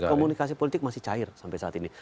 komunikasi politik masih cair sampai saat ini